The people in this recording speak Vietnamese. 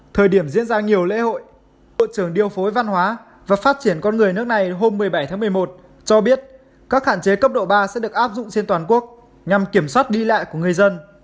thời điểm diễn ra nhiều lễ hội bộ trưởng điều phối văn hóa và phát triển con người nước này hôm một mươi bảy tháng một mươi một cho biết các hạn chế cấp độ ba sẽ được áp dụng trên toàn quốc nhằm kiểm soát đi lại của người dân